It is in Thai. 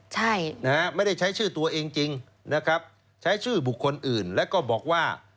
ใช่นะฮะไม่ได้ใช้ชื่อตัวเองจริงนะครับใช้ชื่อบุคคลอื่นแล้วก็บอกว่า